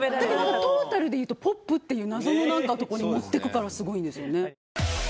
だけどトータルでいうとポップっていう謎のとこに持ってくからすごいんですよね。